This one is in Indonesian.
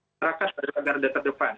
masyarakat pada negara terdepan